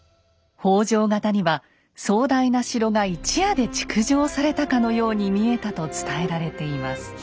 北条方には壮大な城が一夜で築城されたかのように見えたと伝えられています。